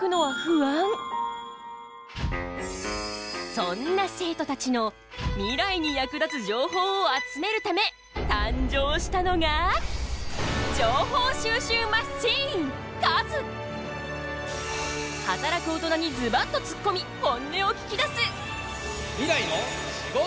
そんな生徒たちのミライに役立つ情報を集めるため誕生したのが働く大人にズバッとつっこみ本音を聞きだす！